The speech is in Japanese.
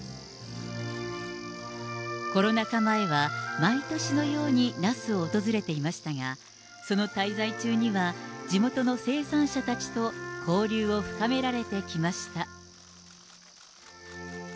コロナ禍前は毎年のように那須を訪れていましたが、その滞在中には、地元の生産者たちと交流を深められてきました。